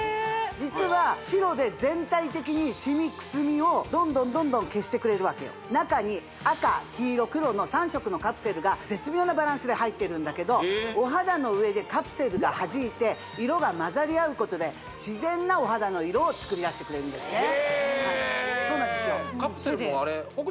実は白で全体的にシミくすみをどんどんどんどん消してくれるわけよ中に赤黄色黒の３色のカプセルが絶妙なバランスで入っているんだけどお肌の上でカプセルがはじいて色が混ざり合うことで自然なお肌の色を作り出してくれるんですねへえそうなんですよ